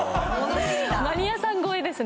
マニアさん超えですね